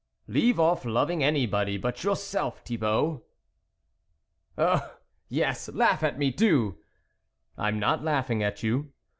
" Leave off loving anybody but your self, Thibault." " Oh ! yes, laugh at me, do !"" I am not laughing at you.